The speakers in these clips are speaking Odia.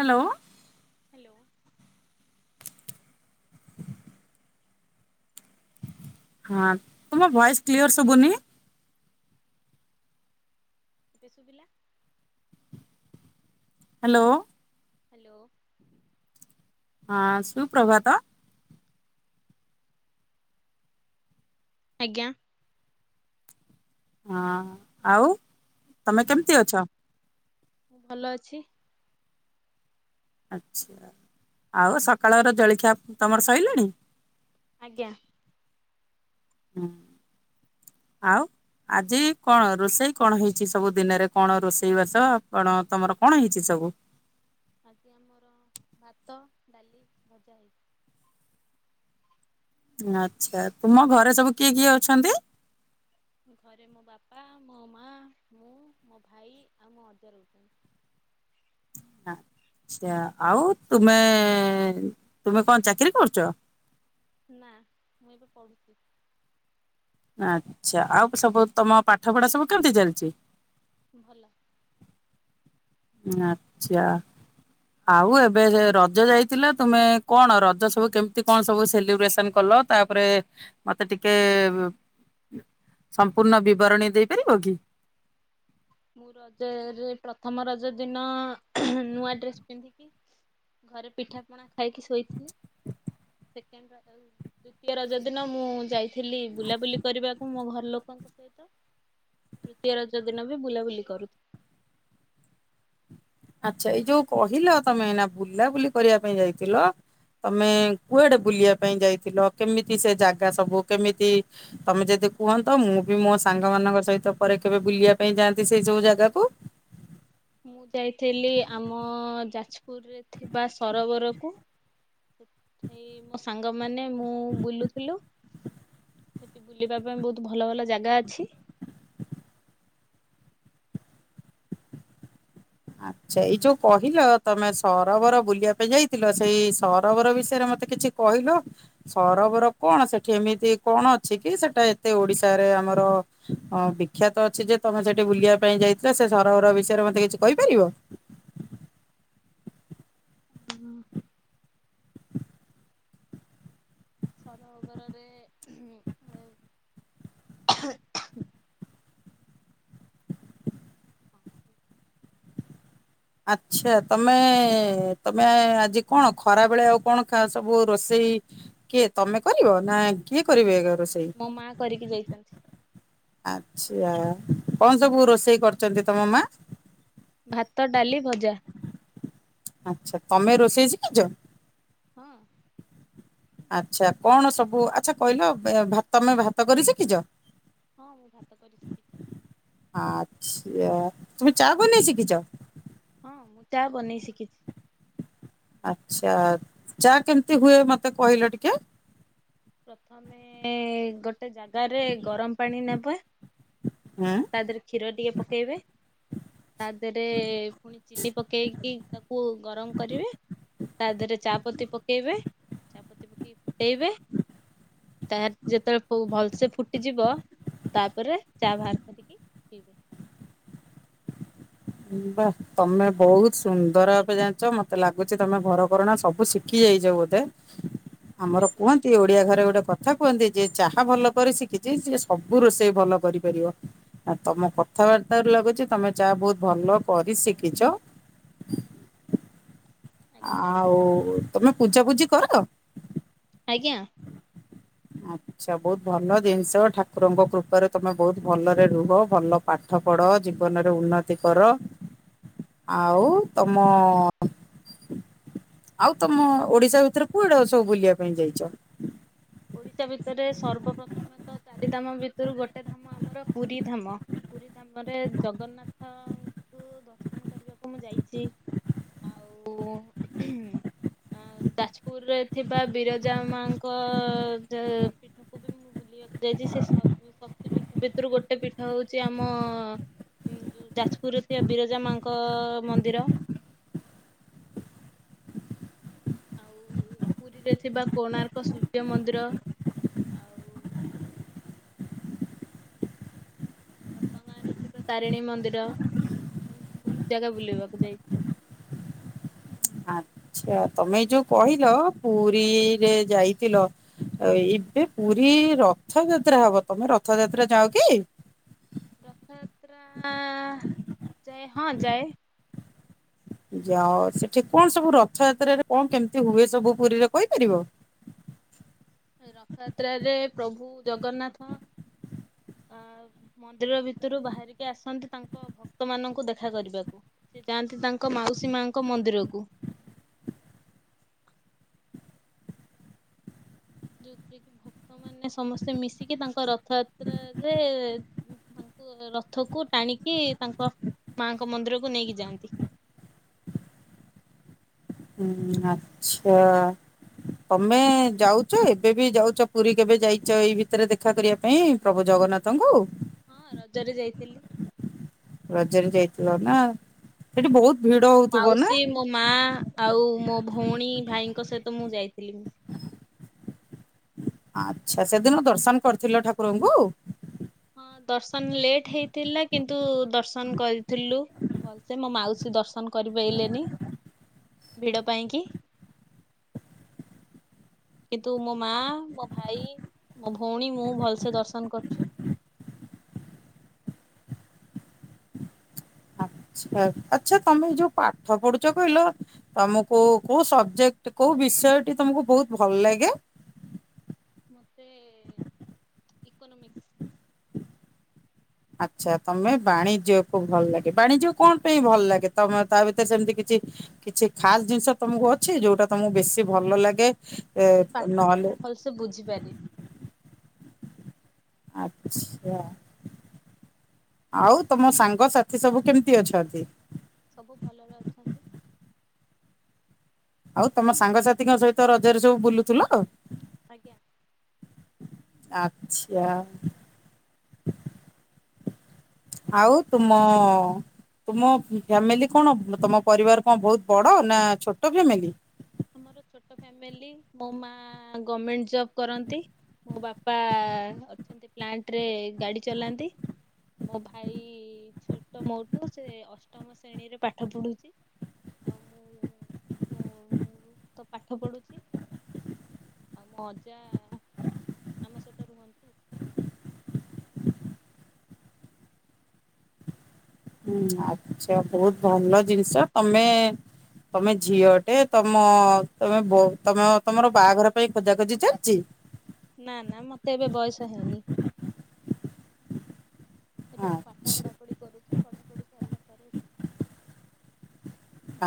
ହ୍ୟାଲୋ। [inaudible] ହଁ ତୁମ ଭଏସ କ୍ଲିଅର ଶୁଭୁନି। ବେ ସୁବିଲା। ହାଲୋଓ। ହାଲୋଓ। ହଁ ସୁ ପ୍ରଭାତ। ଆଜ୍ଞା। ହଁ ଆଉ ତମେ କେମତି ଅଛ। ଭଲ ଅଛି। ଆଚଛା ଆଉ ସକାଳର ଜଳଖିଆ ତମର ସରିଲଣି। ଆଜ୍ଞା। ହୁଁ ଆଉ। ଆଜି କଣ ରୋଷେଇ କଣ ହେଇଛି ସବୁ ଦିନରେ କଣ ରୋଷେଇ ବାସ ଆପଣ ତମର କଣ ହେଇଛି ସବୁ? ସବୁ ଆଜି ଆମର ଭାତ ଡାଲି ଭଜା ହେଇଛି। ଆଚ୍ଛା ତୁମ ଘରେ ସବୁ କିଏ କିଏ ଅଛନ୍ତି। ଘରେ ମୋ ବାପା ମୋ ମା ମୁଁ ମୋ ଭାଇ ଆଉ ମୋ ଅଜା ରହୁଛନ୍ତି। ହଁ। ଆଛା ଆଉ ତୁମେ ତୁମେ କଣ ଚାକିରିୀ କରୁଛ। ନା ମୁଁ ଏବେ ପଢୁଛି। ଆଚ୍ଛା ଆଉ ସବୁ ତମ ପାଠ ପଢା ସବୁ କେମିତି ଚାଲିଛି? ଭଲ। ଆଚ୍ଛା। ଆଉ ଏବେ ରଜ ଯାଇଥିଲା ତୁମେ କଣ ରଜ ସବୁ କେମତି କଣ ସବୁ ସେଲିବ୍ରେସନ କଲ। ଲ ତାପରେ ମତେ ଟିକେ। ସମ୍ପୂର୍ଣ୍ଣ ବିବରଣୀ ଦେଇପାରିବ କି? ମୁଁ ରଜରେ ପ୍ରଥମ ରଜ ଦିନ ନୂଆ ଡ୍ରେସ ପିନ୍ଧିକି ଘରେ ପିଠାପଣା ଖାଇକି ଶୋଇଥିଲି। ସେକେଣ୍ଡ ରଜ ଆ ଦ୍ଵିତୀୟ ରଜ ଦିନ ମୁଁ ଯାଇଥିଲି ବୁଲାବୁଲି କରିବାକୁ ମୋ ଘର ଲୋକଙ୍କ ସହିତ। [inaudible] ତୃତୀୟ ରଜ ଦିନ ବି ବୁଲାବୁଲି କରୁଥି ଆଚ୍ଛା ଏଇ ଯୋଉ କହିଲ ତମେ ନା ବୁଲାବୁଲି କରିବା ପାଇଁ ଯାଇଥିଲ ତମେ କୁଆଡେ ବୁଲିବା ପାଇଁ ଯାଇଥିଲ? କେମିତି ସେ ଜାଗା ସବୁ କେମିତି ତମେ ଯଦି। କୁହନ୍ତ ମୁଁ ବି ମୋ ସାଙ୍ଗ ମାନଙ୍କ ସହିତ ପରେ କେବେ ବୁଲିବା ପାଇଁ ଯାଆନ୍ତି ସେଇ ସବୁ ଜାଗାକୁ। [inaudible] ମୁଁ ଯାଇଥିଲି ଆମ ଯାଜପୁରରେ ଥିବା ସରୋବରକୁ। ସେଠାଇ ମୋ ସାଙ୍ଗମାନେ ମୁଁ ବୁଲୁଥିଲୁ। ସେଠି ବୁଲିବା ପାଇଁ ବହୁତ ଭଲ ଭଲ ଜାଗା ଅଛି। [inaudible] ଆଚ୍ଛା ଏଇ ଯୋଉ କହିଲ ତମେ ସରୋବର ବୁଲିବା ପାଇଁ ଯାଇଥିଲ ସେଇ ସରୋବର ବିଷୟରେ ମତେ କିଛି କହିଲ ସରୋବର କଣ ସେଠି ଏମିତି କଣ ଅଛି କି ସେଟା ଏତେ ଓଡିଶାରେ ଆମର ଅ ବିଖ୍ୟାତ ଅଛି ଯେ ତମେ ସେଠି ବୁଲିବା ପାଇଁ ଯାଇଥିଲ ସେ ସରହର ବିଷୟରେ ମତେ କିଛି କହିପାରିବ? ସୋର ବରରେ [unintelligible] ଆଚ୍ଛା ତମେ ତମେ ଆଜି କଣ ଖରା ବେଳେ ଆଉ କଣ ଖା ସବୁ ରୋଷେଇ ଇ କିଏ ତମେ କରିବ ନା କିଏ କରିବେ? ରୋଷେଇ? ମୋ ମା କରିକି ଯାଇଚନ୍ତି। ଆଚ୍ଛା କଣ ସବୁ ରୋଷେଇ କରଚନ୍ତି ତମ ମା? ଭାତ ଡାଲି ଭଜା। ଆଚ୍ଛା ତମେ ରୋଷେଇ ଶିଖିଚ? ହଁ। ଆଚ୍ଛା କଣ ସବୁ ଆଚ୍ଛା କହିଲ ଅ ଭାତ ତମେ ଭାତ କରି ଶିଖିଚ? ହଁ ମୁଁ ଭାତ କରି ଶିଖିଛି ଆଛା। ତୁମେ ଚାହା ବନେଇ ଶିଖିଚ? ହଁ ମୁଁ ଚା ବନେଇ ଶିଖିଚି। ଆଚ୍ଛା ଚା କେମିତି ହୁଏ ମତେ କହିଲ ଟିକେ? ପ୍ରଥମେ ଗୋଟେ ଜାଗାରେ ଗରମ ପାଣି ନେବା। ହୁଁ ତା ଦେହରେ କ୍ଷୀର ଟିକେ ପକେଇବେ। ତା ଦେହରେ ପୁଣି ଚିନି ପକେଇକି ତାକୁ ଗରମ କରିବେ। ତା ଦେହରେ ଚାପତି ପକେଇବେ, ଚାପତି ପକେଇକି ଫୁଟେଇବେ। [inaudible] ତା ଯେତେବେଳେ ପୁ ଭଲସେ ଫୁଟିଯିବ ତାପରେ ଚା ବାହାର କରିକି ପିଇବେ। [inaudible] ବା ତମେ ବହୁତ ସୁନ୍ଦର ଭାବେ ଜାଣିଚ, ମତେ ଲାଗୁଚି ତମେ ଘର କରଣା ସବୁ ଶିଖି ଯାଇଚ ବୋଧେ। ଆମର ଆଜ୍ଞା କୁହନ୍ତି ଓଡିଆ ଘରେ ଗୋଟେ କଥା କୁହନ୍ତି ଯ ଚାହା ଭଲ କରି ଶିଖିଚି, ସେ ସବୁ ରୋଷେଇ ଭଲ କରିପାରିବ। ଆ ତମ କ ଥା ବାର୍ତ୍ତା ରୁ ଲାଗୁଚି ତମେ ଚା ବହୁତ ଭଲ କରି ଶିଖିଚ। ଆଜ୍ଞା। ଆଉ ତମେ ପୂଜାପୂଜି କର? ଆଜ୍ଞା। ଆଛା ବହୁତ ଭଲ ଜିନିଷ ଠାକୁରଙ୍କ କୃପାରେ ତମେ ବହୁତ ଭଲରେ ରୁହ ଭଲ ପାଠ ପଢ ଜୀବନରେ ଉନ୍ନତି କର। ଆଉ ତମ ଆଉ ତମ ଓଡିଶା ଭିତରେ କୁଆଡ ସବୁ ବୁଲିବା ପାଇଁ ଯାଇଚ? ଓଡିଶା ଭିତରେ ସର୍ବ ପ୍ର୍ରଥମେ ତ ଚାରି ଧାମ ଭିତରୁ, ଗୋଟେ ଧାମ ଆମର ପୁରୀ ଧାମ ପୁରୀ ଧାମରେ ଜଗନ୍ନାଥଙ୍କୁ ଦର୍ଶନ କରିବାକୁ ମୁଁ ଯାଇଛି। [inaudible] ଆ ଯାଜପୁର ରେ ଥିବା ବିରଜା ମାଙ୍କ ପୀଠକୁ ବି ମୁଁ ବୁଲିବାକୁ ଯାଇଛି, ସେ ସ ଶକ୍ତି ପୀଠ ଭିତରୁ ଗୋଟେ ପୀଠ ହଉଛି ଆମ ଯାଜପୁରରେ ଥିବା ବିରଜା ମାଙ୍କ ମନ୍ଦିର। ହୁଁ ଆଉ ପୁରୀରେ ଥିବା କୋଣାର୍କ ସୂର୍ଯ୍ୟ ମନ୍ଦିର, ଆଉ [inaudible] ଘଟଗାଁ ରେ ଥିବା ତାରିଣୀ ମନ୍ଦିର, ଏମିତି ବହୁତ ଜାଗା ବୁଲେଇବାକୁ ଯାଇଛି। ହଁ। ଆଛା ତମେ ଯୋଉ କହିଲ ପୁରୀରେ ଯାଇଥିଲ। ଆ ଏବେ ପୁରୀ ରଥଯାତ୍ରା ହବ, ତମେ ରଥଯାତ୍ରା ଯଅ କି? ରଥଯାତ୍ରା ଯାଏ ହଁ ଯାଏ। ଆଉ ସେଠି କଣ ସବୁ ରଥଯାତ୍ରାରେ କଣ କେମିତି ହୁଏ, ସବୁ ପୁରୀରେ କହିପାରିବ? [inaudible] ରଥଯାତ୍ରାରେ ପ୍ରଭୁ ଜଗନ୍ନାଥ ଅ ମନ୍ଦିର ଭିତରୁ ବାହାରିକି ଆସନ୍ତି, ତାଙ୍କ ଭକ୍ତ ମାନଙ୍କୁ ଦେଖା କରିବାକୁ ସେ ଯାଆନ୍ତି ତାଙ୍କ ମାଉସୀ ମାଙ୍କ ମନ୍ଦିରକୁ [inaudible] ଯୋଉଥିରେ କି ଭକ୍ତ ମାନ ସମସ୍ତେ ମିଶିକି ତାଙ୍କ ରଥଯାତ୍ରରେ ରଥକୁ ଟାଣିକି ତାଙ୍କ ମାଙ୍କ ମନ୍ଦିରକୁ ନେଇକି ଯାଆନ୍ତି। ହୁଁ ଆଛା। ତମେ ଯାଉଛ ଏବେ ବି ଯାଉଛ ପୁରୀ କେବେ ଯାଇଛ ଏଇ ଭିତରେ ଦେଖା କରିବା ପାଇଁ, ପ୍ରଭ ଜ ଜଗନ୍ନାଥଙ୍କୁ ହଁ ରଜରେ ଯାଇଥିଲି। ରଜରେ ଯାଇଥିଲ ନା ସେଠି ବହୁତ ଭିଡ ମୋ ହଉଥିବ ନା ମାଉସୀ ମୋ ମା ଆଉ ମୋ ଭଉଣୀ ଭାଇଙ୍କ ସହିତ ମୁଁ ଯାଇଥିଲି ମୁଁ ଆଛା ସେଦିନ ଦର୍ଶନ କରିଥିଲ ଠାକୁରଙ୍କୁ? ହଁ ଦର୍ଶନ ଲେଟ୍ ହେଇଥିଲା, କିନ୍ତୁ ଦର୍ଶନ କରିଥିଲୁ ଭଲସେ ମୋ ମାଉସୀ ଦର୍ଶନ କରି ପାଇଲେଣି। ଭିଡ଼ ପାଇଁ କି! [inaudible] କିନ୍ତୁ ମୋ ମା ମୋ ଭାଇ ମୋ ଭଉଣୀ ମୁଁ ଭଲସେ ଦର୍ଶନ କରୁଛି। [inaudible] ଆଛ ଆଚ୍ଛା ତମେ ଯୋଉ ପାଠ ପଢୁଛ କହିଲ, ତମକୁ କୋଉ ସବଜେକ୍ଟ କୋଉ ବିଷୟ ଟି ତମକୁ ବହୁତ ଭଲ ଲାଗେ। ମତେ ଇକୋନମିକ୍ସ୍। ଆଚ୍ଛା ତମେ ବାଣିଜ୍ୟକୁୁବ ଭଲ ଲାଗେ, ବାଣିଜ୍ୟ କଣ ପାଇଁ ଭଲ ଲାଗେ ତମେ ତା ଭିତରେ ସେମିତି କିଛି କିଛି ଖାସ ଜିନିଷ ତମକୁ ଅଛି ଯୋଉଟା ତମକୁ ବେଶୀ ଭଲ ଲାଗେ। ଏ ସେ ପାଠଟି ନହେଲେ ମୁଁ ଭଲସେ ବୁଝିପାରି। ଆଚ୍ଛା। ଆଉ ତମ ସାଙ୍ଗସାଥି ସବୁ କେମିତି ଅଛନ୍ତି? ସବୁ ଭଲରେ ଅଛନ୍ତି। ଆଉ ତମ ସାଙ୍ଗସାଥିଙ୍କ ସହିତ ରଜରେ ସବୁ ବୁଲୁଥିଲ? ଆଜ୍ଞା। ଆଚ୍ଛା। ଆଉ ତୁମ ତମ ଫ୍ୟାମିଲି କଣ ତମ ପରିବାର କଣ ବହୁତ ବଡ ନା ଛୋଟ ଫ୍ୟାମିଲି? ଆମର ଛୋଟ ଫ୍ୟାମିଲି ମୋ ମା ଗମେଣ୍ଟ ଜବ୍ କରନ୍ତି। ମୋ ବାପା ଅଛନ୍ତି ପ୍ଲାଣ୍ଟ ରେ ଗାଡି ଚଲାନ୍ତି। ମୋ ଭାଇ ଛୋଟ ମୋଠୁ ସେ ଅଷ୍ଟମ ଶ୍ରେଣୀରେ ପାଠ ପଢୁଚି। ଆଉ ମୁଁ ମୁଁ ତ ପାଠ ପଢୁଚି। ଆଉ ମୋ ଅଜା ଆମ ସହିତ ରୁହନ୍ତି। ହୁଁ ଆଛା ବହୁତ ଭଲ ଜିନିଷ ତମେ ତମେ ଝିଅ ଟେ ତମ ତମେ ତମ ତମର ବାହାଘର ପାଇଁ ଖୋଜାଖୋଜି ଚାଲିଚି? ନା ନା ମତେ ଏବେ ବୟସ ହେଇନି। ଏବେ ମୁଁ ପାଠ ଆଚ୍ଛା ପଢା ପଢି କରୁଚି ପଢାପଢି ସାରିଲା ପରେ ସ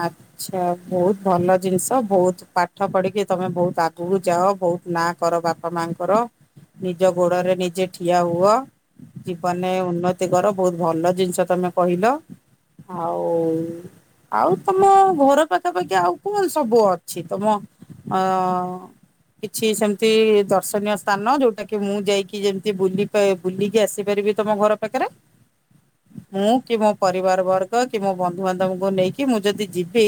ଆଚ୍ଛା ବହୁତ ଭଲ ଜିନିଷ ବହୁତ ପାଠ ପଢିକି ତମେ ବହୁତ ଆଗକୁ ଯାଅ ଭ ବହୁତ ନା କର ବାପା ମାଙ୍କର ନିଜ ଗୋଡରେ ନିଜେ ଠିଆ ହୁଅ। ଜୀବନରେ ଆଜ୍ଞା ଉନ୍ନତି କର ବହୁତ ଭଲ ଜିନିଷ ତମେ କହିଲ ଆଉ ଆଉ ତମ ଘର ପାଖାପାଖି ଆଉ କଣ ସବୁ ଅଛି ତମ ଅ- କିଛି ସେମିତି ଦର୍ଶନୀୟ ସ୍ଥାନ ଯୋଉଟା କି ମୁଁ ଯାଇକି ଯେମତି ବୁଲିକି ଆସିପାରିବି। ଥିବି ତମ ଘର ପାଖରେ ମୁଁ କି ମୋ ପରିବାର ବର୍ଗ କି ମୋ ବନ୍ଧୁବାନ୍ଧବଙ୍କୁ ନେଇକି- କି ମୁଁ ଯଦି ଯିବି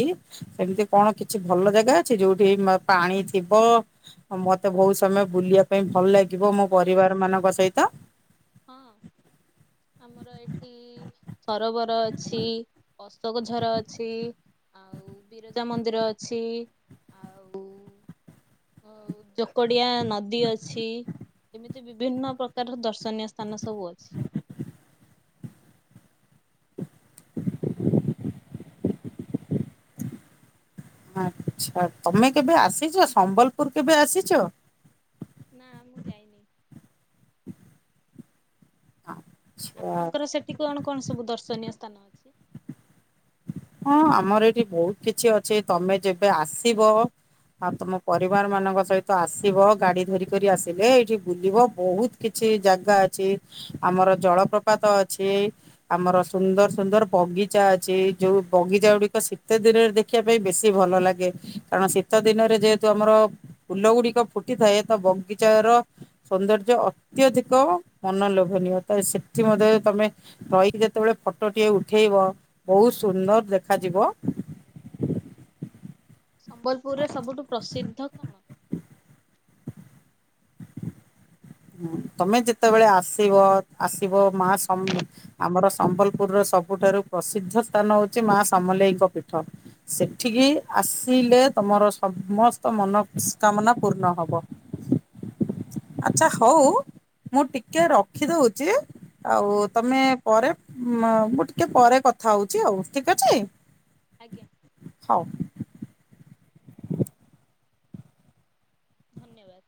ସେମିତି କଣ କିଛି ଭଲ ଜାଗା ଅଛି ଯୋଉଠି ପାଣି ଥିବ। ମୋତେ ବହୁତ ସମୟ ବୁଲିବା ପାଇଁ ଭଲ ଲାଗିବ ମୋ ହଁ ପରିବାର ମାନଙ୍କ ସହିତ। [inaudible] ହଁ ଆମର ଏଇଠି ସରୋବର ଅଛି ଅଶୋକଝର ଅଛି। ଆଉ [inaudible] ବିରଜା ମନ୍ଦିର ଅଛି। ଆଉ [inaudible] ଜୋକଡିଆ ନଦୀ ଅଛି। ଏମିତି ବିଭିନ୍ନ ପ୍ରକାର ଦର୍ଶନୀୟ ସ୍ଥାନ ସବୁ ଅଛି। [unintelligible] ଆଚ୍ଛା ତମେ କେବେ ଆସିଛ ସମ୍ବଲପୁର କେବେ ଆସିଛ? ନା ମୁଁ ଯାଇନି। ହଁ। ଆପଣଙ୍କର ସେଠି କଣ କଣ ସବୁ ଦର୍ଶନୀୟ ସ୍ଥାନ ଅଛି? ହଁ ଆମର ଏଠି ବହୁତ କିଛି ଅଛି ତମେ ଯେବେ ଆସିବ। ଆଉ ତମ ପରିବାର ମାନଙ୍କ ସହିତ ଆସିବ। ଗାଡି ଧରିିକରି ଆସିଲେ ଏଇଠି ବୁଲିବ ବହୁତ କିଛି ଜାଗା ଅଛି ଆମର ଜଳପ୍ରପାତ ଅଛି। ଆମର ସୁନ୍ଦର ସୁନ୍ଦର ବଗି ଚା ଅଛି। ଯୋଉ ବଗିଚା ଗୁଡିକ ଶୀତ ଦିନରେ ଦେଖିବା ପାଇଁ ବେଶୀ ଭଲ ଲାଗେ କାରଣ ଶୀତ ଦିନରେ ଯେହେତୁ ଆମର ଫୁଲ ଗୁଡିକ ଫୁଟିଥାଏ ତ ବଗିଚା ର ସୌନ୍ଦର୍ଯ୍ୟ ଅତ୍ୟଧିକ ମନ ଲୋଭନୀୟ। ସେଠି ମଧ୍ୟ ତମେ ରହିକି ଯେତେବେଳେ ଫଟୋ ଟିକେ ଉଠେଇବ ବହୁ ସୁନ୍ଦର ଦେଖାଯିବ। ସମ୍ବଲପୁରରେ ସବୁଠୁ ପ୍ରସିଦ୍ଧ କଣ? ହୁଁ ତମେ ଯେତେବେଳେ ଆସିବ। ଆସିବ ମା ସମ୍ବ ଆମର ସମ୍ବଲପୁରର ସବୁଠାରୁ ପ୍ରସିଦ୍ଧ ସ୍ଥାନ ହଉଛି ମା ସମଲେଇଙ୍କ ପୀଠ। ସେଠିକି ଆସିଲେ ତମର ସମସ୍ତ ମନସ୍କାମନା ପୂର୍ଣ୍ଣ ହବ। ଆଚ୍ଛା ହୋଉ ମୁଁ ଟିକେ ରଖିଦଉଛି। ଆଉ ତମେ ଆଜ୍ଞା ପରେ ଉଁ ମା ମୁଁ ଟିକେ ପରେ କଥା ହଉଛି ହଉ ଠିକ ଅଛି। ଆଜ୍ଞା ହୋଉ। ଧନ୍ୟବାଦ।